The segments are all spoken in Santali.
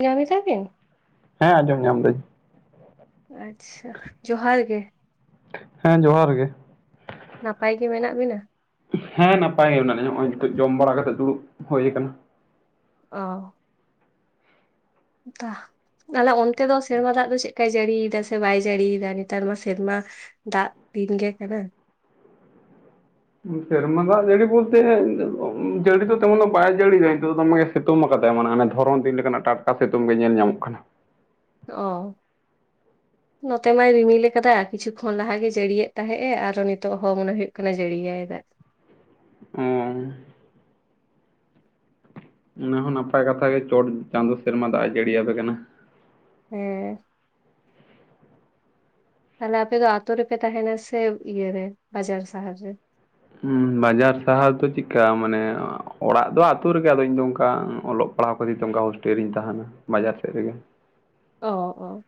ᱧᱟᱢ ᱫᱟᱵᱮᱱ ᱦᱮᱸ ᱟᱸᱚᱢ ᱧᱟᱢ ᱫᱟᱹᱧ ᱟᱪᱷᱟ ᱡᱚᱦᱟᱨ ᱜᱮ ᱦᱮᱸ ᱡᱚᱦᱟᱨ ᱜᱮ ᱱᱟᱯᱟᱭ ᱜᱮ ᱢᱮᱱᱟᱜ ᱵᱤᱱᱟ ᱦᱮᱸ ᱱᱟᱯᱟᱭ ᱜᱮ ᱢᱮᱱᱟᱜ ᱞᱤᱧᱟ ᱱᱚᱜᱚᱭ ᱱᱤᱛᱳ ᱡᱚᱢ ᱵᱟᱲᱟ ᱠᱟᱛᱮᱜ ᱫᱩᱲᱩᱵ ᱦᱩᱭ ᱟᱠᱟᱱᱟ ᱚ ᱫᱟ ᱛᱟᱦᱞᱮ ᱚᱱᱛᱮ ᱫᱚ ᱥᱮᱨᱢᱟ ᱫᱟᱜ ᱫᱚ ᱪᱮᱫᱞᱮᱠᱟᱭ ᱡᱟᱹᱲᱤᱭᱮᱫᱟ ᱥᱮ ᱵᱟᱭ ᱡᱟᱹᱲᱤᱭᱮᱫᱟ ᱱᱮᱛᱟᱨ ᱢᱟ ᱥᱮᱨᱢᱟ ᱫᱟᱜ ᱫᱤᱱ ᱜᱮ ᱠᱟᱱᱟ ᱥᱮᱨᱢᱟ ᱫᱟᱜ ᱡᱟᱲᱤ ᱵᱚᱞᱛᱮ ᱡᱟᱲᱤ ᱫᱚ ᱛᱮᱢᱚᱱ ᱫᱚ ᱵᱟᱭ ᱡᱟᱲᱤ ᱫᱟᱭ [unintelligible] ᱥᱤᱛᱩᱝ ᱟᱠᱟᱫᱟᱭ ᱢᱟᱱᱮ ᱚᱱ ᱫᱷᱚᱨᱚᱱ ᱫᱤᱱ ᱞᱮᱠᱟᱱᱟᱜ ᱴᱟᱴᱠᱟ ᱥᱤᱛᱩᱝ ᱜᱮ ᱧᱮᱞ ᱧᱟᱢᱚᱜ ᱠᱟᱱᱟ ᱚ ᱱᱚᱛᱮ ᱢᱟᱭ ᱨᱤᱢᱤᱞ ᱟᱠᱟᱫᱟᱟᱭ ᱠᱤᱪᱷᱩ ᱠᱷᱚᱱ ᱞᱟᱦᱟᱜᱮ ᱡᱟᱹᱲᱤᱭᱮᱫ ᱛᱟᱦᱮᱸᱜ ᱮ ᱟᱨᱚ ᱱᱤᱛᱚᱜ ᱦᱚᱸ ᱢᱚᱱᱮ ᱦᱩᱭᱩᱜ ᱠᱟᱱᱟ ᱡᱟᱹᱲᱤᱭᱟᱭ ᱫᱟᱜ ᱚᱸ ᱚᱱᱟ ᱦᱚᱸ ᱱᱟᱯᱟᱭ ᱠᱟᱛᱷᱟ ᱜᱮ ᱪᱚᱴ ᱪᱟᱸᱫᱚ ᱥᱮᱨᱢᱟ ᱫᱟᱜ ᱡᱟᱹᱲᱤᱭᱟᱯᱮ ᱠᱟᱱᱟ ᱦᱮᱸ ᱛᱟᱦᱚᱞᱮ ᱟᱯᱮ ᱫᱚ ᱟᱛᱳ ᱨᱮᱯᱮ ᱛᱟᱦᱮᱱᱟ ᱥᱮ ᱤᱭᱟᱹᱨᱮ ᱵᱟᱡᱟᱨ ᱥᱟᱦᱟᱨ ᱨᱮ? ᱦ ᱵᱟᱡᱟᱨ ᱥᱟᱦᱟᱨ ᱫᱚ ᱪᱮᱫᱠᱟ ᱢᱟᱱᱮ ᱚᱲᱟᱜ ᱫᱚ ᱟᱹᱛᱩ ᱨᱮᱜᱮ ᱟᱫᱚ ᱤᱧᱫᱚ ᱚᱱᱠᱟ ᱚᱞᱚᱜ ᱯᱦᱟᱜ ᱯᱟᱲᱦᱟᱣ ᱠᱷᱟᱹᱛᱤᱨ ᱛᱮ ᱚᱱᱠᱟ ᱦᱳᱥᱴᱮᱞ ᱨᱤᱧ ᱛᱟᱦᱮᱱᱟ ᱵᱟᱡᱟᱨ ᱥᱮᱫ ᱨᱮᱜᱮ ᱚ ᱚ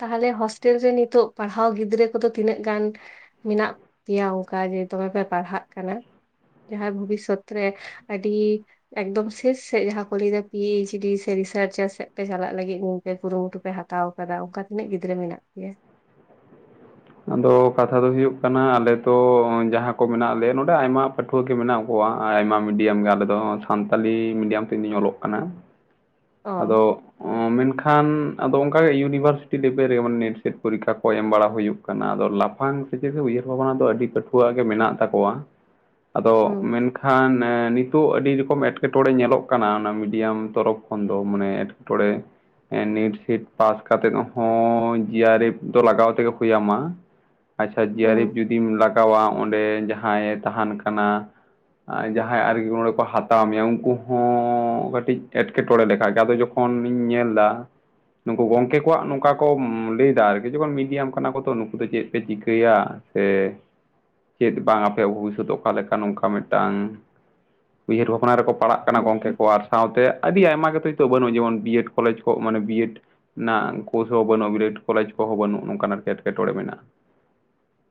ᱛᱟᱦᱞᱮ ᱦᱚᱥᱴᱮᱞ ᱨᱮ ᱱᱤᱛᱚᱜ ᱯᱟᱲᱦᱟᱣ ᱜᱤᱫᱽᱨᱟᱹ ᱠᱚᱫᱚ ᱛᱤᱱᱟᱹᱜ ᱜᱟᱱ ᱢᱮᱱᱟᱜ ᱯᱮᱭᱟ ᱚᱱᱠᱟ ᱡᱮ ᱫᱚᱢᱮ ᱯᱮ ᱯᱟᱲᱦᱟᱜ ᱠᱟᱱᱟ ᱡᱟᱦᱟᱸ ᱵᱷᱚᱵᱤᱥᱚᱛ ᱨᱮ ᱟᱹᱰᱤ ᱮᱠᱫᱚᱢ ᱥᱮᱥ ᱥᱮᱫ ᱡᱟᱦᱟᱸ ᱠᱚ ᱞᱟᱹᱭ ᱮᱫᱟ ᱯᱤ ᱮᱪ ᱰᱤ ᱥᱮ ᱨᱤᱥᱟᱨᱪᱟᱨ ᱥᱮᱫ ᱯᱮ ᱪᱟᱞᱟᱜ ᱞᱟᱹᱜᱤᱫ ᱱ ᱯᱮ ᱠᱩᱨᱩᱢᱩᱴᱩ ᱯᱮ ᱦᱟᱛᱟ ᱦᱟᱛᱟᱣ ᱟᱠᱟᱫᱟ ᱚᱱᱠᱟ ᱛᱤᱱᱟᱹᱜ ᱜᱤᱫᱽᱨᱟᱹ ᱢᱮᱱᱟᱜ ᱯᱮᱭᱟ ᱟᱫᱚ ᱠᱟᱛᱷᱟ ᱫᱚ ᱦᱩᱭᱩᱜ ᱠᱟᱱᱟ ᱟᱞᱮ ᱛᱚ ᱡᱟᱦᱟᱸ ᱠᱚ ᱢᱮᱱᱟᱜ ᱞᱮᱭᱟ ᱱᱚᱰᱮ ᱟᱭᱢᱟ ᱯᱟᱹᱴ [unintelligible] ᱢᱮᱱᱟᱜ ᱠᱚᱣᱟ ᱟᱭᱢᱟ ᱢᱤᱰᱤᱭᱟᱢ ᱜᱮ ᱟᱞᱮᱫᱚ ᱥᱟᱱᱛᱟᱞᱤ ᱢᱤᱰᱤᱭᱟᱢ ᱛᱮ ᱤᱧᱩᱧ ᱚᱞᱚᱜ ᱠᱟᱱᱟ᱾ ᱚ ᱟᱫᱚ ᱢᱮᱱᱠᱷᱟᱱ ᱟᱫᱚ ᱚᱱᱠᱟᱟᱜᱮ ᱤᱭᱩᱱᱤᱵᱷᱟᱨᱥᱤᱴᱤ ᱞᱮᱵᱮᱞ ᱨᱮ ᱢᱟᱱᱮ ᱱᱮᱴᱥᱴ ᱯᱚᱨᱤᱠᱷᱟ ᱠᱚ ᱮᱢ ᱵᱟᱲᱟ ᱦᱩᱭᱩᱜ ᱠᱟᱱᱟ ᱟᱫᱚ ᱞᱟᱯᱷᱟᱝ ᱥᱮᱪᱮᱫ ᱩᱭᱦᱟᱹᱨ ᱵᱷᱟᱵᱱᱟ ᱫᱚ ᱟᱹᱰᱤ ᱯᱟᱹᱴᱷᱩᱣᱟᱹ ᱟᱜ ᱜᱮ ᱢᱮᱱᱟᱜ ᱛᱟᱠᱚᱣᱟ᱾ [unintelligible] ᱟᱫᱚ ᱦᱩᱸ ᱢᱮᱱᱠᱷᱟᱱ ᱱᱤᱛᱚᱜ ᱟᱹᱰᱤ ᱨᱚᱠᱚᱢ ᱮᱴᱠᱮᱴᱚᱬᱮ ᱧᱮᱞᱚᱜ ᱠᱟᱱᱟ ᱚᱱᱟ ᱢᱤᱰᱤᱭᱟᱢ ᱛᱚᱨᱚᱯᱷ ᱮᱚᱠᱷᱚᱱ ᱫᱚ ᱢᱟᱱᱮ ᱮᱴᱠᱮᱴᱚᱬᱮ ᱱᱤᱴ ᱥᱮᱴ ᱯᱟᱥ ᱠᱟᱛᱮᱫ ᱦᱚᱸ ᱡᱤᱭᱟᱨᱮᱯ ᱫᱚ ᱞᱟᱜᱟᱣ ᱛᱮᱜᱮ ᱦᱩᱭᱟᱢᱟ᱾ [inaudible] ᱟᱪᱷᱟ ᱡᱤᱟᱨᱤᱯᱷ ᱦᱩᱸ ᱡᱩᱫᱤᱢ ᱞᱟᱜᱟᱣᱟ ᱚᱸᱰᱮ ᱡᱟᱦᱟᱸᱭ ᱛᱟᱦᱮᱱ ᱠᱟᱱᱟ ᱡᱟᱦᱟᱸᱭ ᱟᱨᱠᱮ ᱱᱚᱰᱮ ᱠᱚ ᱦᱟᱛᱟᱣ ᱢᱮᱭᱟ ᱩᱱᱠᱩ ᱦᱚᱸ ᱠᱟᱹᱴᱤᱡ ᱮᱴᱠᱮᱴᱚ ᱮᱴᱠᱮᱴᱚᱬᱮ ᱞᱮᱠᱷᱟᱡ ᱜᱮ ᱟᱫᱚ ᱡᱚᱠᱷᱚᱱᱤᱧ ᱧᱮᱞ ᱮᱫᱟ ᱱᱩᱠᱩ ᱜᱚᱢᱠᱮ ᱠᱚᱣᱟᱜ ᱱᱚᱝᱠᱟ ᱠᱚ ᱞᱟᱹᱭ ᱫᱟ ᱟᱨᱠᱤ ᱡᱚᱠᱷᱚᱱ ᱢᱤᱰᱤᱭᱟᱢ ᱠᱟᱱᱟ ᱠᱚ ᱛᱚ ᱱᱩᱠᱩ ᱫᱚ ᱪᱮᱫ ᱯᱮ ᱪᱤᱠᱟᱹᱭᱟ ᱥᱮ ᱪᱮᱫ ᱵᱟᱝ ᱟᱯᱮᱭᱟᱜ ᱵᱷᱚᱵᱤᱥᱚᱛ ᱚᱠᱟ ᱞᱮᱠᱟ ᱱᱚᱝᱠᱟ ᱢᱤᱫᱴᱟᱝ ᱩᱭᱦᱟᱹᱨ ᱵᱷᱟᱵᱽᱱᱟ ᱨᱮᱠᱚ ᱯᱟᱲᱟᱜ ᱠᱟᱱᱟ ᱜᱚᱢᱠᱮ ᱦᱩᱸ ᱠᱚ ᱟᱨ ᱥᱟᱶᱛᱮ ᱟᱹᱰᱤ ᱟᱭᱢᱟ [unintelligible] ᱱᱤᱛᱚᱜ ᱵᱟᱹᱱᱩᱜᱼᱟ ᱡᱮᱢᱚᱱ ᱵᱤ ᱮᱰ ᱠᱚᱞᱮᱡᱽ ᱠᱚ ᱢᱟᱱᱮ ᱵᱤ ᱮᱰ ᱨᱮᱱᱟᱜ ᱠᱳᱥ ᱦᱚᱸ ᱵᱟᱹᱱᱩᱜᱼᱟ ᱜᱨᱮᱰ ᱠᱚᱞᱮᱡᱽ ᱠᱚ ᱦᱚᱸ ᱵᱟᱹᱱᱩᱜ ᱱᱚᱝᱠᱟᱱᱟᱜ ᱮᱴᱠᱮᱴᱚᱲᱮ ᱢᱮᱱᱟᱜᱼᱟ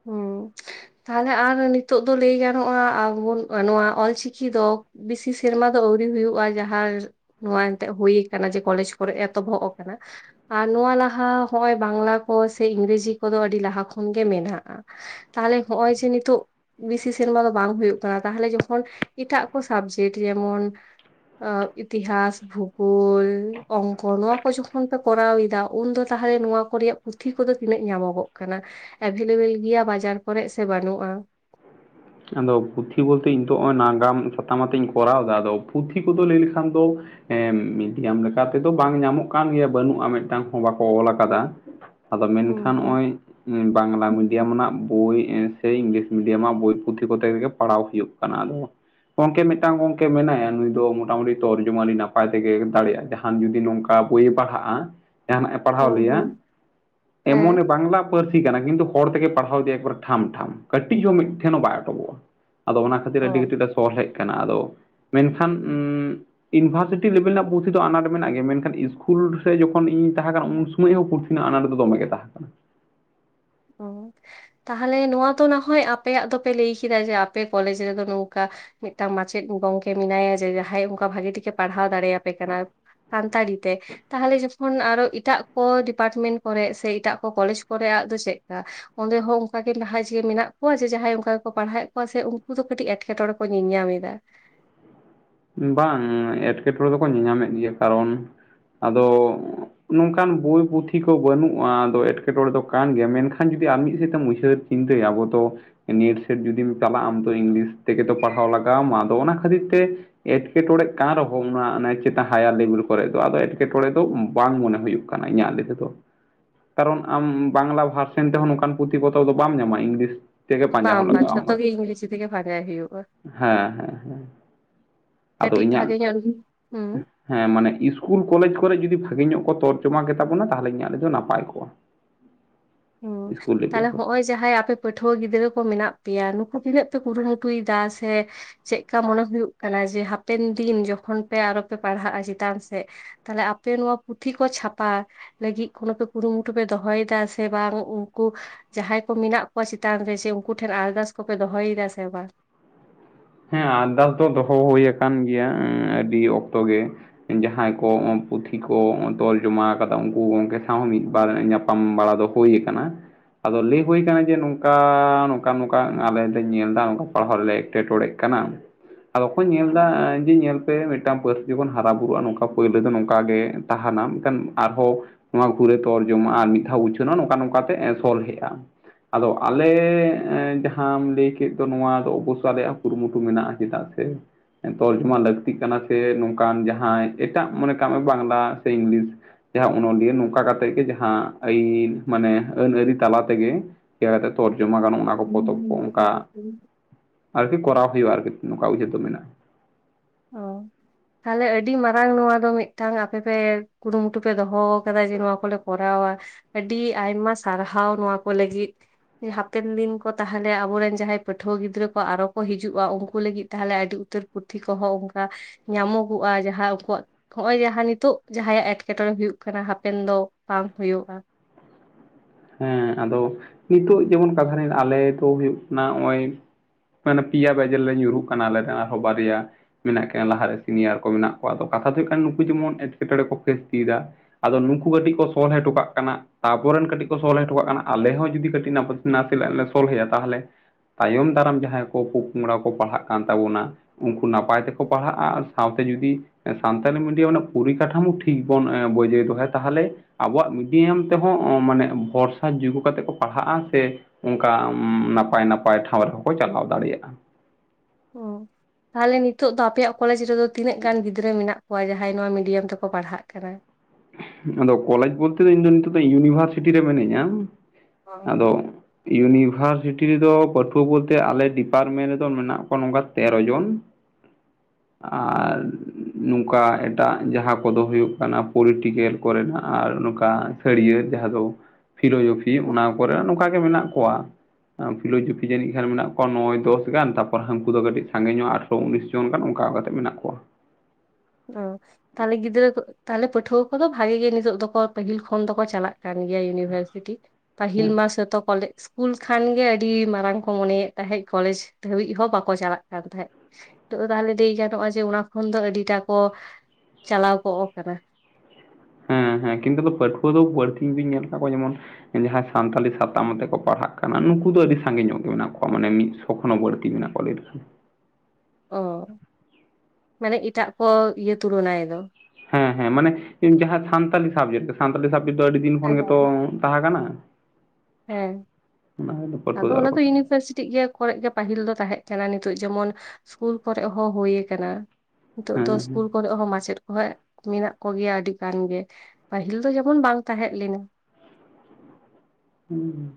ᱦᱩᱸ ᱛᱟᱦᱚᱞᱮ ᱟᱨ ᱱᱤᱛᱚᱜ ᱫᱚ ᱞᱟᱹᱭ ᱜᱟᱱᱚᱜᱼᱟ ᱟᱵᱚᱱ ᱱᱚᱣᱟ ᱚᱞᱪᱤᱠᱤ ᱫᱚ ᱵᱮᱥᱤ ᱥᱮᱨᱢᱟ ᱫᱚ ᱟᱹᱣᱨᱤ ᱦᱩᱭᱩᱜᱼᱟ ᱡᱟᱦᱟᱸᱨ ᱱᱚᱶᱟ ᱮᱱᱛᱮᱜ ᱦᱩᱭ ᱟᱠᱟᱱᱟ ᱡᱮ ᱠᱚᱞᱮᱡᱽ ᱠᱚᱨᱮᱜ ᱮᱛᱚᱦᱚᱵ ᱟᱠᱟᱱᱟ ᱟᱨ ᱱᱚᱶᱟ ᱞᱟᱦᱟ ᱱᱚᱜ-ᱚᱭ ᱵᱟᱝᱞᱟ ᱠᱚ ᱥᱮ ᱤᱝᱨᱮᱡᱤ ᱠᱚᱫᱚ ᱟᱹᱰᱤ ᱞᱟᱦᱟ ᱠᱷᱚᱱ ᱜᱮ ᱢᱮᱱᱟᱜ ᱛᱟᱦᱚᱞᱮ ᱱᱚᱜᱼᱚᱭ ᱡᱮ ᱱᱤᱛᱳᱜ ᱵᱮᱥᱤ ᱥᱮᱨᱢᱟ ᱫᱚ ᱵᱟᱝ ᱦᱩᱭᱩᱜ ᱠᱟᱱᱟ ᱛᱟᱦᱚᱞᱮ ᱡᱚᱠᱷᱚᱱ ᱮᱴᱟᱜ ᱠᱚ ᱥᱟᱵᱡᱮᱠᱴ ᱡᱮᱢᱚᱱ ᱮᱸᱜ ᱤᱛᱤᱦᱟᱥ ᱵᱷᱩᱜᱳᱞ ᱚᱝᱠᱚ ᱱᱚᱣᱟ ᱠᱚ ᱡᱚᱠᱷᱚᱱ ᱯᱮ ᱠᱚᱨᱟᱣ ᱮᱫᱟ ᱩᱱ ᱫᱚ ᱛᱟᱦᱚᱞᱮ ᱱᱚᱣᱟ ᱠᱚᱨᱮᱭᱟᱜ ᱯᱩᱛᱷᱤ ᱠᱚᱫᱚ ᱛᱤᱱᱟᱹᱜ ᱧᱟᱢᱚᱜᱚᱜ ᱠᱟᱱᱟ ᱮᱵᱷᱮᱞ ᱮᱵᱮᱞ ᱜᱮᱭᱟ ᱵᱟᱡᱟᱨ ᱠᱚᱨᱮᱜ ᱥᱮ ᱵᱟᱹᱱᱩᱜᱼᱟ ᱟᱫᱚ ᱯᱩᱛᱷᱤ ᱵᱚᱞᱛᱮ ᱤᱧ ᱛᱚ ᱱᱚᱜ-ᱚᱭ ᱱᱟᱜᱟᱢ ᱥᱟᱛᱟᱢ ᱟᱛᱮᱧ ᱤᱧ ᱠᱚᱨᱟᱣᱫᱟ ᱟᱫᱚ ᱯᱩᱛᱷᱤ ᱠᱚᱫᱚ ᱞᱟᱹᱭ ᱞᱮᱠᱷᱟᱱ ᱫᱚ ᱮᱸ ᱢᱤᱰᱤᱭᱟᱢ ᱞᱮᱠᱟ ᱛᱮᱫᱚ ᱵᱟᱝ ᱧᱟᱢᱚᱜ ᱠᱟᱱ ᱜᱮᱭᱟ ᱵᱟᱹᱱᱩᱜᱼᱟ ᱢᱤᱫᱴᱟᱝ ᱦᱚᱸ ᱵᱟᱠᱚ ᱚᱞ ᱠᱟᱫᱟ ᱟᱫᱚ ᱦᱩᱸ ᱢᱮᱱᱠᱷᱟᱱ ᱦᱩᱸ ᱱᱚᱜᱼᱚᱭ ᱵᱟᱝᱞᱟ ᱢᱤᱰᱤᱭᱟᱢ ᱨᱮᱱᱟᱜ ᱵᱳᱭ ᱮᱸ ᱥᱮ ᱤᱝᱞᱤᱥ ᱢᱤᱰᱤᱭᱟᱢᱟᱜ ᱵᱳᱭ ᱯᱩᱛᱷᱤ ᱠᱚᱛᱮ ᱜᱮ ᱯᱟᱲᱦᱟᱣ ᱦᱩᱭᱩᱜ ᱠᱟᱱᱟ ᱟᱫᱚ ᱜᱚᱝᱠᱮ ᱢᱤᱫᱴᱟᱝ ᱜᱚᱢᱠᱮ ᱢᱮᱱᱟᱭᱟ ᱱᱩᱭ ᱫᱚ ᱢᱚᱴᱟᱢᱩᱴᱤ ᱛᱚᱨᱡᱚᱢᱟ ᱟᱹᱰᱤ ᱱᱟᱯᱟᱭ ᱛᱮᱜᱮ ᱫᱟᱲᱮᱭᱟᱜᱼᱟ ᱟᱨ ᱡᱩᱫᱤ ᱱᱚᱝᱠᱟ ᱵᱳᱭᱮ ᱯᱟᱲᱦᱟᱜᱼᱟ ᱡᱟᱦᱟᱱᱟᱜᱼ ᱮ ᱯᱟᱲᱦᱟᱣ ᱦᱩᱸ ᱞᱮᱭᱟ ᱦᱩᱸ ᱦᱮᱸ ᱮᱢᱚᱱᱮ ᱵᱟᱝᱞᱟ ᱯᱟᱹᱨᱥᱤ ᱠᱟᱱᱟ ᱠᱤᱱᱛᱩ ᱦᱚᱲ ᱛᱮᱜᱮ ᱯᱟᱲᱦᱟᱣ ᱤᱫᱤᱭᱟ ᱮᱠᱵᱟᱨ ᱴᱷᱟᱢ ᱴᱷᱟᱢ ᱠᱟᱹᱴᱤᱡ ᱦᱚᱸ ᱢᱤᱫ ᱴᱷᱮᱱ ᱦᱚᱸ ᱵᱟᱭ ᱚᱰᱚᱠᱚᱜᱼᱟ ᱟᱫᱚ ᱚᱱᱟ ᱠᱷᱟᱹᱛᱤᱨ ᱚ ᱟᱹᱰᱤ ᱠᱟᱹᱴᱤᱡ ᱞᱮ ᱥᱚᱞᱦᱮᱜ ᱠᱟᱱᱟ ᱟᱫᱚ ᱢᱮᱱᱠᱷᱟᱱ ᱩᱸ ᱤᱭᱩᱱᱤᱵᱷᱟᱨᱥᱤᱴᱤ ᱞᱮᱵᱮᱞ ᱨᱮᱱᱟᱜ ᱯᱩᱛᱷᱤ ᱫᱚ ᱟᱱᱟᱴ ᱢᱮᱱᱟᱜ ᱜᱮᱭᱟ ᱢᱮᱱᱠᱷᱟᱱ ᱤᱥᱠᱩᱞ ᱨᱮ ᱡᱚᱠᱷᱚᱱ ᱤᱧ ᱛᱟᱸᱦᱮ ᱠᱟᱱᱟ ᱩᱱ [unintelligible] ᱯᱩᱛᱷᱤ ᱨᱮᱱᱟᱜ ᱟᱱᱟᱴ ᱫᱚᱢᱮ ᱜᱮ ᱛᱟᱸᱦᱮ ᱠᱟᱱᱟ ᱚ ᱛᱟᱦᱚᱞᱮ ᱱᱚᱣᱟ ᱫᱚ ᱱᱟᱦᱚᱭ ᱟᱯᱮᱭᱟᱜ ᱫᱚᱯᱮ ᱞᱟᱹᱭ ᱠᱮᱫᱟ ᱡᱮ ᱟᱯᱮ ᱠᱚᱞᱮᱡᱽ ᱨᱮ ᱫᱚ ᱱᱚᱝᱠᱟ ᱢᱤᱫᱴᱟᱝ ᱢᱟᱪᱮᱫ ᱜᱚᱝᱠᱮ ᱢᱮᱱᱟᱭᱟ ᱡᱮ ᱡᱟᱸᱦᱟᱭ ᱚᱱᱠᱟ ᱵᱷᱟᱹᱜᱤ ᱴᱷᱤᱠᱮ ᱯᱟᱲᱦᱟᱣ ᱫᱟᱲᱮᱭᱟᱯᱮ ᱠᱟᱱᱟ ᱥᱟᱱᱛᱟᱲᱤ ᱛᱮ ᱛᱟᱦᱚᱞᱮ ᱡᱚᱠᱷᱚᱱ ᱟᱨᱚ ᱮᱴᱟᱜ ᱠᱚ ᱰᱤᱯᱟᱨᱴᱢᱮᱱᱴ ᱠᱚᱨᱮ ᱥᱮ ᱮᱴᱟᱜ ᱠᱚ ᱠᱚᱞᱮᱡᱽ ᱠᱚᱨᱮᱭᱟᱜ ᱫᱚ ᱪᱮᱫ [unintelligible] ᱚᱸᱰᱮ ᱦᱚᱸ ᱚᱱᱠᱟᱜᱮ [unintelligible] ᱜᱮ ᱢᱮᱱᱟᱜ ᱠᱚᱣᱟ ᱡᱮ ᱡᱟᱸᱦᱟᱭ ᱚᱱᱠᱟ ᱜᱮᱠᱚ ᱯᱟᱲᱦᱟᱣᱮᱫ ᱠᱚᱣᱟ ᱥᱮ ᱩᱱᱠᱩ ᱫᱚ ᱠᱟᱹᱴᱤᱡ ᱮᱸᱴᱠᱮᱴᱚᱲᱮ ᱠᱚ ᱧᱮᱞ ᱧᱟᱢ ᱫᱟ ᱵᱟᱝ ᱮᱸᱴᱠᱮᱴᱚᱲᱮ ᱫᱚᱠᱚ ᱧᱮᱧᱟᱢᱮᱫ ᱜᱮᱭᱟ ᱠᱟᱨᱚᱱ ᱟᱫᱚ ᱱᱚᱝᱠᱟᱱ ᱵᱳᱭ ᱯᱩᱛᱷᱤ ᱠᱚ ᱵᱟᱹᱱᱩᱜᱼᱟ ᱟᱫᱚ ᱮᱴᱠᱮᱴᱚᱲᱮ ᱫᱚ ᱠᱟᱱ ᱜᱮᱭᱟ ᱢᱮᱱᱠᱷᱟᱱ ᱠᱷᱟᱱ ᱡᱩᱫᱤ ᱟᱢ ᱢᱤᱫ ᱥᱮᱫ ᱛᱮᱢ ᱩᱭᱦᱟᱹᱨ ᱪᱤᱱᱛᱟᱹᱭᱟ ᱟᱵᱚ ᱫᱚ ᱱᱮᱴ ᱥᱮᱴ ᱡᱩᱫᱤᱢ ᱪᱟᱞᱟᱜ ᱟᱢ ᱛᱚ ᱤᱝᱞᱤᱥ ᱛᱮᱜᱮ ᱛᱚ ᱯᱟᱲᱦᱟᱣ ᱞᱟᱜᱟᱣ ᱟᱢᱟ ᱟᱫᱚ ᱚᱱᱟ ᱠᱷᱟᱹᱛᱤᱨ ᱛᱮ ᱮᱴᱠᱮᱴᱚᱲᱮᱜ ᱠᱟᱱ ᱨᱮᱦᱚᱸ ᱚᱱᱟ ᱪᱮᱛᱟᱱ ᱦᱟᱭᱟᱨ ᱞᱮᱵᱮᱞ ᱠᱚᱨᱮ ᱫᱚ ᱟᱫᱚ ᱮᱴᱠᱮᱴᱚᱲ ᱮ ᱫᱚ ᱵᱟᱝ ᱢᱚᱱᱮ ᱦᱩᱭᱩᱜ ᱠᱟᱱᱟ ᱠᱟᱱᱟ ᱤᱧᱟᱹᱜ ᱞᱟᱹᱭ ᱛᱮᱫᱚ ᱠᱟᱨᱚᱱ ᱟᱢ ᱵᱟᱝᱞᱟ ᱵᱷᱟᱨᱥᱮᱱ ᱛᱮᱦᱚᱸ ᱱᱚᱝᱠᱟᱱ ᱯᱩᱛᱷᱤ ᱯᱚᱛᱚᱵ ᱫᱚ ᱵᱟᱢ ᱧᱟᱢᱟ ᱤᱝᱞᱤᱥ ᱛᱮᱜᱮ ᱯᱟᱸᱡᱟ ᱵᱟᱝ ᱦᱚᱸ ᱵᱟᱝ ᱞᱟᱜᱟᱣ ᱡᱷᱚᱛᱚ ᱟᱢᱟ ᱜᱮ ᱤᱝᱨᱮᱡᱤ ᱛᱮᱜᱮ ᱯᱟᱸᱡᱟᱭ ᱦᱩᱭᱩᱜᱼᱟ ᱦᱮᱸ ᱦᱮᱸ ᱦᱮᱸ ᱟᱫᱚ ᱠᱟᱹᱴᱤᱡ ᱤᱧᱟᱜ ᱵᱷᱟᱜᱮ ᱧᱚᱜ ᱦᱩᱸ [inaudible] ᱦᱮᱸ ᱢᱟᱱᱮ ᱤᱥᱠᱩᱞ ᱠᱚᱞᱮᱡᱽ ᱠᱚᱨᱮᱜ ᱡᱩᱫᱤ ᱵᱷᱟᱹᱜᱤ ᱧᱚᱜ ᱠᱚ ᱛᱚᱨᱡᱚᱢᱟ ᱠᱮᱛᱟ ᱵᱚᱱᱟ ᱛᱟᱦᱚᱞᱮ ᱤᱧᱟᱜ ᱞᱟᱹᱭ ᱫᱚ ᱱᱟᱯᱟᱭ ᱠᱚᱜᱼᱟ ᱦᱚᱸ ᱤᱥᱠᱩᱞ ᱛᱟᱦᱞᱮ ᱞᱮᱵᱮᱞ ᱠᱚᱨᱮ ᱦᱚᱜᱚᱭ ᱡᱟᱸᱦᱟᱭ ᱟᱯᱮ ᱯᱟᱹᱴᱷᱩᱣᱟᱹ ᱜᱤᱫᱽᱨᱟᱹ ᱠᱚ ᱢᱮᱱᱟᱜ ᱯᱮᱭᱟ ᱱᱩᱠᱩ ᱛᱤᱱᱟᱹᱜ ᱯᱮ ᱠᱩᱨᱩᱢᱩᱴᱩᱭᱮᱫᱟ ᱥᱮ ᱪᱮᱫ ᱞᱮᱠᱟ ᱢᱚᱱᱮ ᱦᱩᱭᱩᱜ ᱠᱟᱱᱟ ᱡᱮ ᱦᱟᱯᱮᱱ ᱫᱤᱱ ᱡᱚᱠᱷᱚᱱ ᱯᱮ ᱟᱨᱚᱯᱮ ᱯᱟᱲᱦᱟᱜᱼᱟ ᱪᱮᱛᱟᱱ ᱥᱮᱫ ᱛᱟᱦᱚᱞᱮ ᱟᱯᱮ ᱱᱚᱣᱟ ᱯᱩᱛᱷᱤ ᱠᱚ ᱪᱷᱟᱯᱟ ᱞᱟᱹᱜᱤᱫ [unintelligible] ᱯᱮ ᱠᱩᱨᱩᱢᱩᱴᱩ ᱯᱮ ᱫᱚᱦᱚᱭᱮᱫᱟ ᱥᱮ ᱵᱟᱝ ᱩᱱᱠᱩ ᱡᱟᱦᱟᱸᱭ ᱠᱚ ᱢᱮᱱᱟᱜ ᱠᱚᱣᱟ ᱪᱮᱛᱟᱱ ᱨᱮ ᱥᱮ ᱩᱱᱠᱩ ᱴᱷᱮᱱ ᱟᱨᱫᱟᱥ ᱠᱚᱯᱮ ᱫᱚᱦᱚᱭᱮᱫᱟ ᱥᱮ ᱵᱟᱝ ᱦᱮᱸ ᱟᱨᱫᱟᱥ ᱫᱚ ᱫᱚᱦᱚ ᱦᱩᱭ ᱟᱠᱟᱱ ᱜᱮᱭᱟ ᱟᱹᱰᱤ ᱚᱠᱛᱚ ᱜᱮ ᱡᱟᱦᱟᱸᱭ ᱠᱚ ᱯᱩᱛᱷᱤ ᱠᱚ ᱛᱚᱨᱡᱚᱢᱟ ᱟᱠᱟᱫᱟ ᱩᱱᱠᱩ ᱜᱚᱝᱠᱮ ᱥᱟᱶ ᱦᱚᱸ ᱢᱤᱫ ᱵᱟᱨ ᱧᱟᱯᱟᱢ ᱧᱟᱯᱟᱢ ᱵᱟᱲᱟ ᱫᱚ ᱦᱩᱭ ᱟᱠᱟᱱᱟ ᱟᱫᱚ ᱞᱟᱹᱭ ᱦᱩᱭᱩ ᱠᱟᱱᱟ ᱡᱮ ᱱᱚᱝᱠᱟ ᱱᱚᱝᱠᱟ ᱱᱚᱝᱠᱟ ᱟᱞᱮ ᱞᱮ ᱧᱮᱞ ᱮᱫᱟ᱾ ᱱᱚᱝᱠᱟ ᱯᱟᱲᱦᱟᱣ ᱞᱮ ᱮᱴᱠᱮᱴᱚᱬᱮ ᱠᱟᱱᱟ ᱟᱫᱚ ᱠᱚ ᱧᱮᱞ ᱮᱫᱟ ᱡᱮ ᱧᱮᱞ ᱯᱮ ᱢᱤᱫᱴᱟᱝ ᱯᱟᱹᱨᱥᱤ ᱵᱚᱱ ᱦᱟᱨᱟ ᱵᱩᱨᱩᱜᱼᱟ᱾ ᱱᱚᱝᱠᱟ ᱯᱳᱭᱞᱳ ᱫᱚ ᱱᱚᱝᱠᱟ ᱜᱮ ᱛᱟᱦᱟᱱᱟᱢ ᱠᱷᱟᱱ ᱟᱨᱦᱚᱸ ᱱᱚᱣᱟ ᱜᱷᱩᱨᱮ ᱛᱚᱨᱡᱚᱢᱟ ᱟᱨ ᱢᱤᱫ ᱫᱷᱟᱣ ᱩᱪᱷᱟᱹᱱᱚᱜ-ᱟ ᱱᱚᱝᱠᱟ ᱱᱚᱝᱠᱟᱛᱮ ᱥᱚᱞᱦᱮᱜᱼᱟ᱾ ᱟᱫᱚ ᱟᱞᱮ ᱡᱟᱦᱟᱸᱢ ᱞᱟᱹᱭ ᱠᱮᱫ ᱫᱚ ᱱᱚᱣᱟ ᱫᱚ ᱚᱵᱚᱥᱳ ᱟᱞᱮ ᱠᱩᱨᱩ ᱢᱩᱴᱩ ᱢᱮᱱᱟᱜᱼᱟ ᱪᱮᱫᱟᱜ ᱥᱮ? ᱛᱚᱨᱡᱚᱢᱟ ᱞᱟᱹᱠᱛᱤᱜ ᱠᱟᱱᱟ ᱥᱮ ᱱᱚᱝᱠᱟᱱ ᱡᱟᱦᱟᱸᱭ ᱮᱴᱟᱜ ᱢᱚᱱᱮ ᱠᱟᱜ ᱢᱮ ᱵᱟᱝᱞᱟ ᱥᱮ ᱤᱝᱞᱤᱥ ᱡᱟᱦᱟᱸ ᱚᱱᱚᱞᱤᱭᱟᱹ ᱱᱚᱝᱠᱟ ᱠᱟᱛᱮᱫ ᱜᱮ ᱡᱟᱦᱟᱸ ᱟᱹᱭᱤᱱ ᱢᱟᱱᱮ ᱟᱹᱱ ᱟᱹᱨᱤ ᱛᱟᱞᱟ ᱛᱮᱜᱮ ᱡᱛ [unintelligible] ᱛᱚᱨᱡᱚᱢᱟ ᱜᱟᱱᱚᱜᱼᱟ, ᱚᱱᱟ ᱠᱚ ᱯᱚᱛᱚᱵ ᱠᱚ ᱚᱱᱠᱟ ᱟᱨᱠᱤ ᱠᱚᱨᱟᱣ ᱦᱩᱭᱩᱜᱼᱟ, ᱟᱨᱠᱤ ᱱᱚᱝᱠᱟ ᱩᱭᱦᱟᱹᱨ ᱫᱚ᱾ ᱢᱮᱱᱟᱜᱼᱟ ᱚ ᱛᱟᱦᱞᱮ ᱟᱹᱰᱤ ᱢᱟᱨᱟᱝ ᱱᱚᱣᱟ ᱫᱚ ᱢᱤᱫᱴᱟᱝ ᱟᱯᱮ ᱯᱮ ᱠᱩᱨᱩᱢᱩᱴᱩ ᱯᱮ ᱫᱚᱦᱚᱣ ᱠᱟᱫᱟ ᱡᱮ ᱱᱚᱣᱟ ᱠᱚᱞᱮ ᱠᱚᱨᱟᱣᱟ ᱟᱹᱰᱤ ᱟᱭᱢᱟ ᱥᱟᱨᱦᱟᱣ ᱱᱚᱣᱟ ᱠᱚ ᱞᱟᱹᱜᱤᱫ᱾ ᱦᱟᱯᱮᱱ ᱫᱤᱱ ᱠᱚ ᱛᱟᱦᱞᱮ ᱟᱵᱚᱨᱮᱱ ᱡᱟᱦᱟᱸᱭ ᱯᱟᱹᱴᱷᱩᱣᱟᱹ ᱜᱤᱫᱽᱨᱟᱹ ᱠᱚ ᱟᱨᱚ ᱠᱚ ᱦᱤᱡᱩᱜᱼᱟ ᱩᱝᱠᱩ ᱞᱟᱹᱜᱤᱫ ᱛᱟᱦᱞᱮ ᱟᱹᱰᱤ ᱩᱛᱟᱹᱨ ᱯᱩᱛᱷᱤ ᱠᱚᱦᱚᱸ ᱚᱱᱠᱟ ᱧᱟᱢᱚᱜᱚᱜᱼᱟ᱾ ᱡᱟᱦᱟᱸ ᱩᱱᱠᱩᱣᱟᱜ ᱱᱚᱜ ᱚᱭ ᱡᱟᱦᱟᱸ ᱱᱤᱛᱚᱜ ᱡᱟᱦᱟᱸᱭᱟᱜ ᱮᱸᱴᱠᱮᱴᱚᱬᱮ ᱦᱩᱭᱩᱜ ᱠᱟᱱᱟ, ᱦᱟᱯᱮᱱ ᱫᱚ ᱵᱟᱝ ᱦᱩᱭᱩᱜᱼᱟ᱾ ᱦᱮᱸ ᱟᱫᱚ ᱱᱤᱛᱚᱜ ᱡᱮᱢᱚᱱ ᱠᱟᱛᱷᱟ ᱢᱮᱱ ᱟᱞᱮ ᱫᱚ ᱦᱩᱭᱩᱜ ᱠᱟᱱᱟ᱾ ᱱᱚᱜᱼᱚᱭ ᱢᱟᱱᱮ ᱯᱮᱭᱟ ᱵᱮᱡᱮᱞᱮ ᱧᱩᱨᱩᱜ ᱠᱟᱱᱟᱞᱮ ᱟᱨᱦᱚᱸ ᱵᱟᱨᱭᱟ ᱢᱮᱱᱟᱜ ᱠᱤᱱᱟ ᱞᱟᱦᱟᱨᱮ ᱥᱤᱱᱤᱭᱟᱨ ᱠᱚ ᱢᱮᱱᱟᱜ ᱠᱚᱣᱟ ᱟᱫᱚ ᱠᱟᱛᱷᱟ ᱫᱚ ᱦᱩᱭᱩᱜ ᱠᱟᱱᱟ ᱱᱩᱠᱩ ᱡᱮᱢᱚᱱ ᱮᱴᱠᱮᱴᱚᱬᱮ ᱠᱚ ᱯᱷᱮᱥ ᱤᱫᱤᱭᱫᱟ ᱟᱫᱚ ᱱᱩᱠᱩ ᱠᱟᱹᱴᱤᱡ ᱠᱚ ᱥᱚᱞᱦᱮ ᱦᱚᱴᱚ ᱠᱟᱜ ᱠᱟᱱᱟ ᱛᱟᱯᱚᱨᱮᱱ ᱠᱟᱹᱴᱤᱡ ᱥᱚᱞᱦᱮ ᱦᱚᱴᱚ ᱠᱟᱜ ᱠᱟᱱᱟ ᱟᱞᱮ ᱦᱚᱸ ᱡᱩᱫᱤ ᱠᱟᱹᱴᱤᱡ ᱱᱟᱯᱮ ᱱᱟᱥᱮ ᱞᱮ ᱥᱚᱞᱦᱮᱭᱟ᱾ ᱛᱟᱦᱚᱞᱮ ᱛᱟᱭᱚᱢ ᱫᱟᱨᱟᱢ ᱡᱟᱦᱟᱸᱭ ᱠᱚ ᱯᱚᱼ ᱯᱚᱝᱲᱟ ᱠᱚ ᱯᱟᱲᱦᱟᱣᱜ ᱠᱟᱱ ᱛᱟᱵᱚᱱᱟ᱾ ᱩᱱᱠᱩ ᱱᱟᱯᱟᱭ ᱛᱮᱠᱚ ᱯᱟᱲᱦᱟᱣᱜᱼᱟ ᱟᱨ ᱥᱟᱶᱛᱮ ᱡᱩᱫᱤ ᱥᱟᱱᱛᱟᱞᱤ ᱢᱤᱰᱤᱭᱟᱢ ᱨᱮᱱᱟᱜ ᱯᱚᱨᱤᱠᱟᱴᱷᱟᱢᱳ ᱴᱷᱤᱠ ᱵᱚᱱ ᱮᱸ ᱵᱟᱹᱡᱟᱹᱭ ᱫᱚᱦᱚᱭᱟ ᱛᱟᱦᱞᱮ ᱟᱵᱚᱣᱟᱜ ᱢᱤᱰᱤᱭᱟᱢ ᱛᱮᱦᱚᱸ ᱢᱟᱱᱮ ᱵᱷᱚᱨᱥᱟ ᱡᱩᱜᱩ ᱠᱟᱛᱮᱫ ᱠᱚ ᱯᱟᱲᱦᱟᱣᱚᱜᱼᱟ ᱥᱮ ᱚᱱᱠᱟ ᱱᱟᱯᱟᱭ ᱱᱟᱯᱟᱭ ᱴᱷᱟᱶ ᱨᱮᱦᱚᱸ ᱠᱚ ᱪᱟᱞᱟᱣ ᱫᱟᱲᱮᱭᱟᱜᱼᱟ᱾ ᱚᱸᱻ ᱛᱟᱦᱚᱞᱮ ᱱᱤᱛᱚᱜ ᱫᱚ ᱟᱯᱮᱭᱟᱜ ᱠᱚᱞᱮᱡᱽ ᱨᱮᱫᱚ ᱛᱤᱱᱟᱹᱜ ᱜᱟᱱ ᱜᱤᱫᱽᱨᱟᱹ ᱢᱮᱱᱟᱜ ᱠᱚᱣᱟ᱾ ᱡᱟᱦᱟᱸᱭ ᱱᱚᱣᱟ ᱢᱤᱰᱤᱭᱟᱢ ᱛᱮᱠᱚ ᱯᱟᱲᱦᱟᱣᱜ ᱠᱟᱱᱟ᱾ ᱟᱫᱚ ᱠᱚᱞᱮᱡᱽ ᱵᱚᱞᱛᱮ ᱫᱚ ᱤᱧᱫᱚ ᱱᱤᱛᱚᱜ ᱫᱚ ᱤᱭᱩᱱᱤᱵᱷᱟᱨᱥᱤᱴᱤ ᱨᱮ ᱢᱤᱱᱟᱹᱧᱟ ᱟᱫᱚ ᱤᱭᱩᱱᱤᱵᱷᱟᱨᱥᱤᱴᱤ ᱨᱮᱫᱚ ᱯᱟᱹᱴᱷᱩᱣᱟᱹ ᱵᱚᱞᱛᱮ ᱟᱞᱮ ᱰᱤᱯᱟᱨᱴᱢᱮᱱᱴ ᱨᱮᱫᱚ ᱢᱮᱱᱟᱜ ᱠᱚᱣᱟ ᱱᱚᱝᱠᱟ ᱛᱮᱨᱚ ᱡᱚᱱ [inaudible] ᱚ ᱟᱨ ᱱᱚᱝᱠᱟ ᱮᱴᱟᱜ ᱡᱟᱦᱟᱸ ᱠᱚᱫᱚ ᱦᱩᱭᱩᱜ ᱠᱟᱱᱟ᱾ ᱯᱚᱞᱤᱴᱤᱠᱮᱞ ᱠᱚᱨᱮᱱᱟᱜ ᱟᱨ ᱱᱚᱝᱠᱟ ᱟᱹᱛᱷᱟᱲᱤᱭᱟᱹ ᱡᱟᱦᱟᱸ ᱫᱚ ᱯᱷᱤᱞᱳᱡᱚᱯᱷᱤ ᱚᱱᱟ ᱠᱚᱨᱮ ᱱᱚᱝᱠᱟ‌ᱜ ᱜᱮ ᱢᱮᱱᱟᱜ ᱠᱚᱣᱟ᱾ ᱯᱷᱤᱞᱳᱡᱚᱯᱷᱤ ᱡᱟᱹᱱᱤᱡ ᱠᱷᱟᱱ ᱢᱮᱱᱟᱜ ᱠᱚᱣᱟ ᱱᱚᱭ ᱫᱚᱥ ᱜᱟᱱ ᱛᱟᱯᱚᱨ ᱦᱟᱹᱱᱠᱩ ᱫᱚ ᱠᱟᱹᱴᱤᱡ ᱥᱟᱸᱜᱮ ᱧᱚᱜ ᱟᱴᱷᱨᱚ ᱩᱱᱤᱥ ᱡᱚᱱᱜᱟᱱ ᱚᱝᱟ ᱚᱝᱠᱟ ᱠᱟᱛᱮᱫ ᱢᱮᱱᱟᱜ ᱠᱚᱣᱟ ᱚ ᱛᱟᱦᱞᱮ ᱜᱤᱫᱽᱨᱟᱹ ᱠᱚ ᱛᱟᱦᱞᱮ ᱯᱟᱹᱴᱷᱩᱣᱟᱹ ᱠᱚᱫᱚ ᱵᱷᱟᱜᱮ ᱜᱮ ᱱᱤᱛᱚᱜ ᱫᱚᱠᱚ ᱯᱟᱹᱦᱤᱞ ᱠᱷᱚᱱ ᱫᱚᱠᱚ ᱪᱟᱞᱟᱜ ᱠᱟᱱᱟ ᱠᱟᱱ ᱜᱮᱭᱟ ᱤᱭᱩᱱᱤᱵᱷᱟᱨᱥᱤᱴᱤ ᱯᱟᱹᱦᱤᱞ ᱦᱮᱸ ᱢᱟ ᱥᱮᱛᱚ ᱠᱚᱞᱮᱡᱽ ᱠᱩᱞ ᱠᱷᱟᱱ ᱜᱮ ᱟᱹᱰᱤ ᱢᱟᱨᱟᱝ ᱠᱚ ᱢᱚᱱᱮᱭᱮᱫ ᱛᱟᱦᱮᱸᱫ, ᱠᱚᱞᱮᱡᱽ ᱫᱷᱟᱹᱵᱤᱡ ᱦᱚᱸ ᱵᱟᱠᱚ ᱪᱟᱞᱟᱜ ᱠᱟᱱ ᱛᱟᱦᱮᱸᱫ᱾ ᱱᱤᱛᱳᱜ ᱚᱞᱨᱮᱰᱤ ᱞᱟᱹᱭ ᱜᱟᱱᱚᱜᱼᱟ ᱡᱮ ᱚᱱᱟ ᱠᱷᱚᱱ ᱫᱚ ᱟᱹᱰᱤᱴᱟ ᱠᱚ ᱪᱟᱞᱟᱣ ᱠᱚᱜ ᱠᱟᱱᱟ ᱦᱮᱸ ᱦᱮᱸ ᱠᱤᱱᱛᱩ ᱯᱟᱹᱴᱷᱩᱣᱟᱹ ᱫᱚ ᱵᱟᱹᱲᱛᱤᱧ ᱜᱤᱧ ᱧᱮᱞ ᱟᱠᱟ ᱠᱚᱣᱟ ᱡᱮᱢᱚᱱ᱾ ᱡᱟᱦᱟᱸᱭ ᱥᱟᱱᱛᱟᱞᱤ ᱥᱟᱛᱟᱢ ᱟᱛᱮᱠᱚ ᱯᱟᱲᱦᱟᱣᱜ ᱠᱟᱱᱟ ᱱᱩᱠᱩ ᱫᱚ ᱟᱹᱰᱤ ᱥᱟᱸᱜᱮ ᱧᱚᱜ ᱜᱮ ᱢᱮᱱᱟᱜ ᱠᱚᱣᱟ ᱢᱟᱱᱮ ᱢᱤᱫ ᱠᱚᱠᱷᱚᱱᱳ ᱵᱟᱹᱛᱤ ᱢᱮᱱᱟᱜ ᱠᱚᱣᱟ ᱟᱹᱰᱤ ᱰᱮᱨ᱾ ᱚ ᱢᱟᱱᱮ ᱮᱴᱟᱜ ᱠᱚ ᱤᱭᱟᱹ ᱛᱩᱨᱱᱟᱭ ᱫᱚ ᱦᱮᱸ ᱦᱮᱸ ᱢᱟᱱᱮ ᱤᱧ ᱡᱟᱦᱟᱸ ᱥᱟᱱᱛᱟᱞᱤ ᱥᱟᱵᱡᱮᱠᱴ ᱥᱟᱱᱛᱟᱞᱤ ᱥᱟᱵᱡᱮᱠᱴ ᱫᱚ ᱟᱹᱰᱤ ᱫᱤᱱ ᱠᱷᱚᱱ ᱜᱮᱛᱚ ᱛᱟᱦᱮᱸ ᱠᱟᱱᱟ ᱦᱮᱸ, ᱚᱱᱟ ᱦᱤᱞᱚᱜ ᱟᱫᱚ ᱚᱱᱟ ᱫᱚ ᱤᱭᱩᱱᱤᱵᱷᱟᱨᱥᱤᱴᱤ ᱜᱮᱭᱟ ᱠᱚᱨᱮ ᱜᱮ ᱯᱟᱹᱦᱤᱞ ᱫᱚ ᱛᱟᱦᱮᱸ ᱠᱟᱱᱟ ᱱᱤᱛᱚᱜ ᱡᱮᱢᱚᱱ ᱥᱠᱩᱞ ᱠᱚᱨᱮᱜ ᱦᱚᱸ ᱦᱩᱭ ᱟᱠᱟᱱᱟ ᱱᱤᱛᱚᱜ ᱫᱚ ᱦᱮᱸ ᱤᱥᱠᱩᱞ ᱠᱚᱨᱮ ᱦᱚᱸ ᱢᱟᱪᱮᱛ ᱦᱳᱭ ᱢᱮᱱᱟᱜ ᱠᱚᱜᱮᱭᱟ ᱟᱹᱰᱤ ᱜᱟᱱ ᱜᱮ ᱯᱟᱹᱦᱤᱞ ᱫᱚ ᱡᱮᱢᱚᱱ ᱵᱟᱝ ᱛᱟᱦᱮᱸ ᱞᱮᱱᱟ ᱦᱩᱸ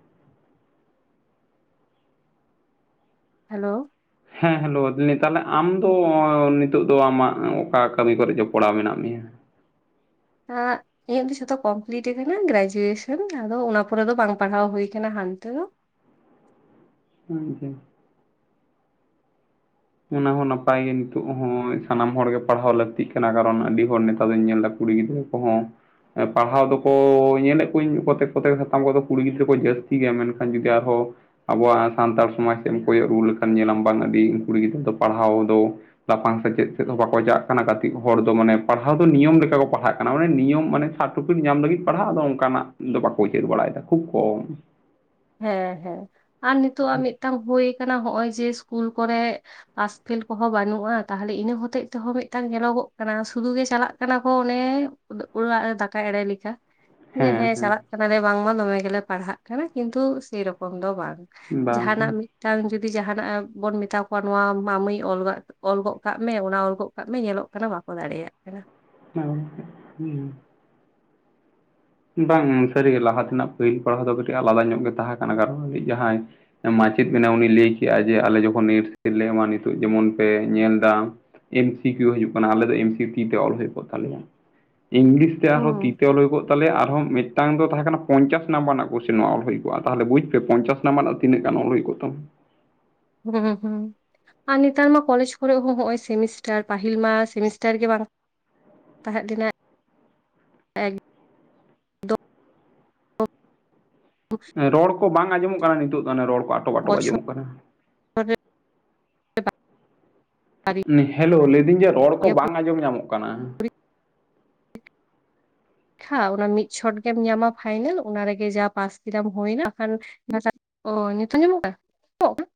ᱦᱮᱞᱳ ᱦᱮᱸ ᱦᱮᱞᱳ ᱛᱟᱦᱞᱮ ᱟᱢ ᱫᱚ ᱱᱤᱛ ᱱᱤᱛᱚᱜ ᱫᱚ ᱟᱢᱟᱜ ᱚᱠᱟ ᱠᱟᱹᱢᱤ ᱠᱚᱨᱮ ᱡᱚᱯᱲᱟᱣ ᱢᱮᱱᱟᱜ ᱢᱮᱭᱟ ᱦᱮᱸᱜ ᱤᱧᱟᱹᱜ ᱫᱚ ᱡᱷᱚᱛᱚ ᱠᱚᱢᱯᱤᱞᱤᱴ ᱟᱠᱟᱱᱟ ᱜᱨᱮᱡᱩᱭᱮᱥᱚᱱ ᱟᱫᱚ ᱚᱱᱟ ᱯᱚᱨᱮ ᱫᱚ ᱵᱟᱝ ᱯᱟᱲᱦᱟᱣ ᱦᱩᱭ ᱟᱠᱟᱱᱟ ᱦᱟᱱᱛᱮ ᱫᱚ [unintelligible] ᱚᱱᱟ ᱦᱚᱸ ᱱᱟᱯᱟᱭ ᱜᱮ ᱱᱤᱛᱚᱜ ᱦᱚᱸ ᱥᱟᱱᱟᱢ ᱦᱚᱲᱜᱮ ᱯᱟᱲᱦᱟᱣ ᱞᱟᱹᱠᱛᱤᱜ ᱠᱟᱱᱟ ᱠᱟᱨᱚᱱ ᱟᱹᱰᱤ ᱦᱚᱲ ᱱᱮᱛᱟᱨ ᱫᱚᱧ ᱧᱮᱞᱫᱟ ᱠᱩᱲᱤ ᱜᱤᱫᱽᱨᱟᱹ ᱠᱚ ᱦᱚᱸ ᱯᱟᱲᱦᱟᱣ ᱫᱚᱠᱚ ᱧᱮᱞᱮᱫ ᱠᱚᱣᱟᱧ ᱠᱚᱛᱮᱠ ᱠᱚᱛᱮᱠ ᱦᱟᱛᱟᱢ ᱠᱚᱫᱚ ᱠᱩᱲᱤ ᱜᱤᱫᱽᱨᱟᱹ ᱠᱚ ᱡᱟᱹᱥᱛᱤ ᱜᱮᱭᱟ ᱢᱮᱱᱠᱷᱟᱱ ᱡᱩᱫᱤ ᱟᱨᱦᱚᱸ ᱟᱵᱚᱣᱟᱜ ᱥᱟᱱᱛᱟᱲ ᱥᱚᱢᱟᱡᱽ ᱥᱮᱫ ᱮᱢ ᱠᱚᱭᱚᱜ ᱨᱩᱣᱟᱹᱲ ᱞᱮᱠᱷᱟᱱ ᱧᱮᱞᱟᱢ ᱵᱟᱝ ᱟᱹᱰᱤ ᱩᱱ ᱠᱩᱲᱤ ᱜᱤᱫᱽᱨᱟᱹ ᱫᱚ ᱯᱟᱲᱦᱟᱣ ᱫᱚ ᱞᱟᱯᱷᱟᱝ ᱥᱮᱪᱮᱫ ᱥᱮᱫ ᱦᱚᱸ ᱵᱟᱝᱠᱚ ᱪᱟᱜ ᱠᱟᱱᱟ ᱠᱟᱴᱤᱡ ᱦᱚᱲ ᱫᱚ ᱢᱟᱱᱮ ᱯᱟᱲᱦᱟᱣ ᱫᱚ ᱱᱤᱭᱚᱢ ᱞᱮᱠᱟ ᱠᱚ ᱯᱟᱲᱦᱟᱜ ᱠᱟᱱᱟ ᱢᱟᱱᱮ ᱱᱤᱭᱚᱢ ᱢᱟᱱᱮ ᱥᱟᱨᱴᱚᱯᱤᱠ ᱧᱟᱢ ᱞᱟᱹᱜᱤᱫ ᱯᱟᱲᱦᱟᱜ ᱟᱫᱚ ᱚᱝᱠᱟᱱᱟᱜ ᱫᱚ ᱵᱟᱠᱚ ᱩᱪᱟᱹᱨ ᱵᱟᱲᱟᱭᱮᱫᱟ ᱠᱷᱩᱵ ᱠᱚᱢ ᱦᱮᱸ ᱦᱮᱸ ᱟᱨ ᱱᱤᱛᱚᱜ ᱟᱜ ᱢᱤᱫᱴᱟᱝ ᱦᱳᱭ ᱟᱠᱟᱱᱟ ᱱᱚᱜ ᱚᱚᱭ ᱡᱮ ᱤᱥᱠᱩᱞ ᱠᱚᱨᱮ ᱯᱷᱟᱥ ᱯᱷᱮᱞ ᱠᱚᱦᱚᱸ ᱵᱟᱹᱱᱩᱜᱼᱟ ᱛᱟᱦᱞᱮ ᱤᱱᱟᱹ ᱦᱚᱛᱮᱜ ᱛᱮᱦᱚᱸ ᱢᱤᱫᱴᱟᱝ ᱧᱮᱞᱚᱜᱚᱜ ᱠᱟᱱᱟ ᱥᱩᱫᱷᱩ ᱜᱮ ᱪᱟᱞᱟᱜ ᱠᱟᱱᱟ ᱠᱚ ᱚᱱᱮ ᱟᱫᱚ ᱚᱲᱟᱜ ᱨᱮ ᱫᱟᱠᱟ ᱮᱲᱮ ᱞᱮᱠᱟ ᱡᱮ ᱦᱮᱸ ᱪᱟᱞᱟᱜ ᱠᱟᱱᱟᱞᱮ ᱵᱟᱝᱢᱟ ᱫᱚᱢᱮ ᱜᱮᱞᱮ ᱯᱟᱲᱦᱟᱜ ᱠᱟᱱᱟ ᱠᱤᱱᱛᱩ ᱥᱮᱨᱚᱠᱚᱢ ᱫᱚ ᱵᱟᱝ ᱵᱟᱝ ᱡᱟᱦᱟᱱᱟᱜ ᱦᱮᱸ ᱢᱤᱫ ᱢᱤᱫᱴᱟᱝ ᱡᱩᱫᱤ ᱡᱟᱦᱟᱱᱟᱜ ᱵᱚᱱ ᱢᱮᱛᱟ ᱠᱚᱣᱟ ᱱᱚᱣᱟ ᱢᱟ ᱢᱟᱹᱭ ᱚᱞ ᱜᱚᱜ ᱠᱟᱜ ᱢᱮ ᱚᱱᱟ ᱚᱞ ᱜᱚᱫ ᱠᱟᱜ ᱠᱟᱜ ᱢᱮ ᱧᱮᱞᱚᱜ ᱠᱟᱱᱟ ᱵᱟᱠᱚ ᱫᱟᱲᱮᱭᱟᱜ ᱠᱟᱱᱟ [unintelligible] ᱵᱟᱝ ᱥᱟᱹᱨᱤ ᱜᱮ ᱞᱟᱦᱟ ᱛᱮᱱᱟᱜ ᱯᱟᱹᱦᱤᱞ ᱯᱟᱲᱦᱟᱣ ᱫᱚ ᱠᱟᱹᱴᱤᱡ ᱟᱞᱟᱫᱟ ᱧᱚᱜ ᱜᱮ ᱛᱟᱦᱮᱸ ᱠᱟᱱᱟ ᱠᱟᱨᱚᱱ ᱡᱟᱦᱟᱸᱭ ᱢᱟᱪᱮᱫ ᱵᱮᱱᱟ ᱩᱱᱤ ᱞᱟᱹᱭ ᱠᱮᱫᱮᱜᱼᱟ ᱡᱮ ᱟᱞᱮ ᱡᱚᱠᱷᱚᱱ ᱱᱮᱹᱴ ᱥᱮᱹᱴ ᱞᱮ ᱮᱢᱟ ᱱᱤᱛᱚᱜ ᱡᱮᱢᱚᱱ ᱯᱮ ᱧᱮᱞᱫᱟ ᱮᱢ ᱥᱤ ᱠᱤᱭᱩ ᱦᱤᱡᱩᱜ ᱠᱟᱱᱟ ᱟᱞᱮ ᱫᱚ ᱮᱢ ᱥᱤ ᱛᱤ ᱛᱮ ᱚᱞ ᱦᱩᱭ ᱠᱚᱜ ᱛᱟᱞᱮᱭᱟ ᱤᱝᱞᱤᱥ ᱛᱮ ᱟᱨᱦᱚᱸ ᱛᱤ ᱦᱩᱸ ᱛᱮ ᱚᱞ ᱦᱚᱭᱠᱚᱜ ᱛᱟᱦᱞᱮ ᱟᱨᱦᱚᱸ ᱢᱤᱫᱴᱟᱝ ᱫᱚ ᱛᱟᱦᱮᱸ ᱠᱟᱱᱟ ᱯᱚᱧᱪᱟᱥ ᱱᱟᱢᱵᱟᱨ ᱨᱮᱱᱟᱜ ᱠᱚᱥᱮᱱ ᱱᱚᱣᱟ ᱚᱞ ᱦᱩᱭ ᱠᱚᱜᱼᱟ ᱛᱟᱦᱞᱮ ᱵᱩᱡᱽ ᱯᱮ ᱯᱚᱧᱪᱟᱥ [unintelligible] ᱛᱤᱱᱟᱹ ᱜᱟᱱ ᱚᱞ ᱦᱩᱭ ᱠᱚᱜ ᱛᱟᱢᱟ ᱦᱩᱸ ᱦᱩᱸ ᱟᱨ ᱱᱮᱛᱟᱨ ᱢᱟ ᱠᱚᱞᱡᱽ ᱠᱚᱨᱮ ᱦᱚᱸ ᱦᱚᱸᱜ-ᱚᱭ ᱥᱮᱢᱤᱥᱴᱟᱨ ᱯᱟᱦᱤᱞ ᱢᱟ ᱥᱮᱢᱤᱥᱴᱟᱨ ᱜᱮ ᱵᱟᱝ ᱛᱟᱦᱮᱸ ᱞᱮᱱᱟ ᱮᱠᱫᱚᱢ ᱨᱚᱲ ᱠᱚ ᱵᱟᱝ ᱟᱸᱡᱚᱢᱚᱜ ᱠᱟᱱᱟ ᱱᱤᱛᱚᱜ ᱫᱚ ᱚᱱᱮ ᱨᱚᱲ ᱠᱚ ᱟᱴᱚᱠ ᱟᱴᱚᱠ ᱵᱚᱪᱷᱚᱨ ᱟᱸᱡᱚᱢᱚᱜ ᱠᱟᱱᱟ ᱨᱮ ᱦᱮᱸ ᱦᱮᱞᱳ ᱞᱟᱹᱭᱫᱟᱹᱧ ᱡᱮ ᱨᱚᱲ ᱠᱚ ᱵᱟᱨᱭᱟ ᱵᱟᱝ ᱟᱸᱡᱚᱢ ᱧᱟᱢᱚᱜ ᱠᱟᱱᱟ ᱠᱷᱟᱞ ᱢᱟᱱᱮ ᱢᱤᱫ ᱪᱷᱚᱴ ᱜᱮᱢ ᱧᱟᱢᱟ ᱯᱷᱟᱭᱱᱮᱞ ᱚᱱᱟ ᱨᱮᱜᱮ ᱡᱟᱦᱟ ᱯᱟᱥ ᱠᱮᱫᱟᱢ ᱦᱩᱭᱱᱟ ᱠᱷᱟᱱ ᱚ ᱱᱤᱛᱚᱝ ᱟᱸᱡᱚᱢᱚᱜ ᱠᱟᱱᱟ [unintelligible] ᱟᱸᱡᱚᱢᱚᱜ ᱠᱟᱱᱟ